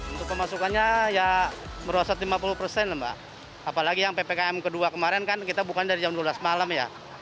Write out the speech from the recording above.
untuk pemasukannya ya merosot lima puluh persen lah mbak apalagi yang ppkm kedua kemarin kan kita bukan dari jam dua belas malam ya